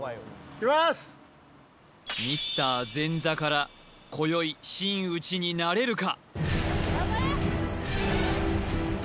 ミスター前座から今宵真打ちになれるか？